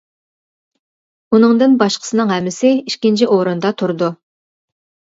ئۇنىڭدىن باشقىسىنىڭ ھەممىسى ئىككىنچى ئورۇندا تۇرىدۇ.